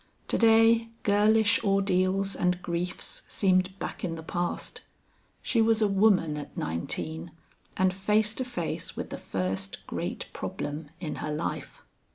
To day girlish ordeals and griefs seemed back in the past: she was a woman at nineteen and face to face with the first great problem in her life.